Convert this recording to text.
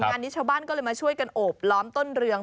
งานนี้ชาวบ้านก็เลยมาช่วยกันโอบล้อมต้นเรือง